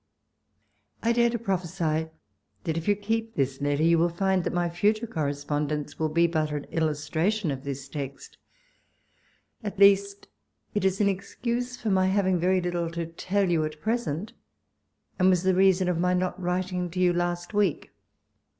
I dare to prophesy, that if you keep this letter, you will find that my future corre spondence will be but an illustration of this text ; at least, it is an excuse for my having very little to tell you at present, and was the reason of my not writing to you last week.